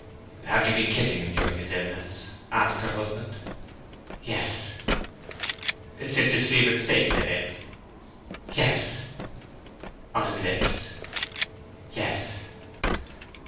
"Have you been kissing him during his illness?" asked her husband. "Yes." "Since his fevered state set in?" "Yes." "On his lips?" "Yes."